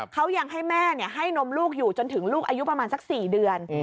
เขายังให้แม่ให้นมลูกอยู่จนถึงลูกอายุประมาณสัก๔เดือน